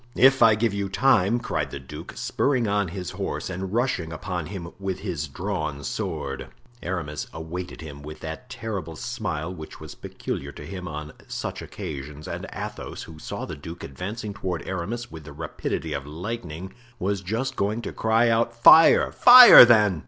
"If I give you time!" cried the duke, spurring on his horse and rushing upon him with his drawn sword. Aramis awaited him with that terrible smile which was peculiar to him on such occasions, and Athos, who saw the duke advancing toward Aramis with the rapidity of lightning, was just going to cry out, "Fire! fire, then!"